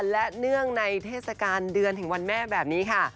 และเนื่องในเทศกาลเดือนถึงวันแม่แบบนี้ค่ะ